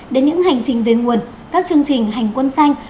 đến những hành trình về nguồn các chương trình hành quân xanh